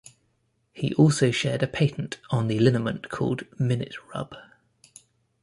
He also shared a patent on a liniment called Minute-Rub.